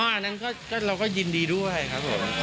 อันนั้นเราก็ยินดีด้วยครับผม